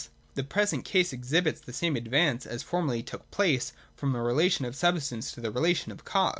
The present case exhibits the same advance as formerly took place from the relation of substance to the relation of cause.